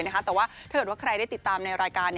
แต่ว่าถ้าเกิดว่าใครได้ติดตามในรายการ